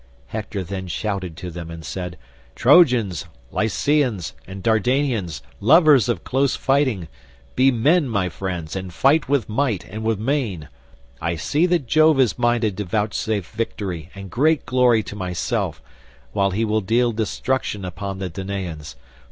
Hector then shouted to them and said, "Trojans, Lycians, and Dardanians, lovers of close fighting, be men, my friends, and fight with might and with main; I see that Jove is minded to vouchsafe victory and great glory to myself, while he will deal destruction upon the Danaans.